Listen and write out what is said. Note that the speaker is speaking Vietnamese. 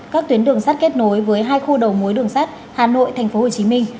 các tuyến đường sắt kết nối với hai khu đầu mối đường sắt hà nội tp hcm